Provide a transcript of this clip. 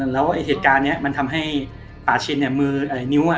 แล้วไอ้เหตุการณ์เนี้ยมันทำให้ป่าชิ้นเนี้ยมืออ่านิ้วอ่ะ